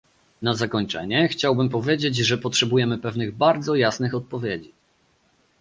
Na zakończenie chciałbym powiedzieć, że potrzebujemy pewnych bardzo jasnych odpowiedzi